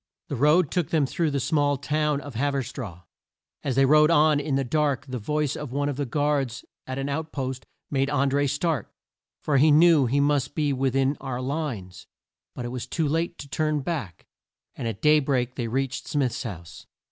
The road took them through the small town of Hav er straw. As they rode on in the dark the voice of one of the guards at an out post made An dré start, for he knew he must be with in our lines. But it was too late to turn back, and at day break they reached Smith's house.